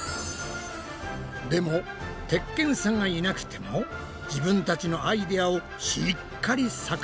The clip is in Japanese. でも鉄拳さんがいなくても自分たちのアイデアをしっかり作品に仕上げるのだ！